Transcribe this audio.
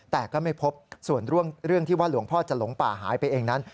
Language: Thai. แต่ก็ไม่พบส่วนเรื่องที่ว่าหลวงพ่อจะหลงป่าหายไปเองนั้น